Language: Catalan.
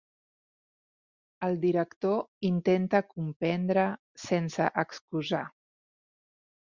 El director intenta comprendre sense excusar.